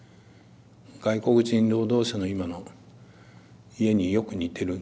外国人労働者の今の家によく似てるんだよ。